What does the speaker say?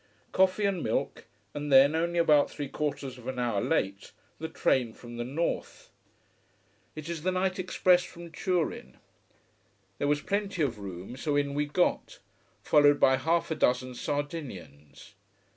Coffee and milk and then, only about three quarters of an hour late, the train from the north. It is the night express from Turin. There was plenty of room so in we got, followed by half a dozen Sardinians.